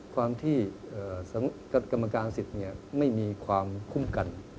ความที่กรรมการสิทธิ์ไม่มีความคุ้มกัน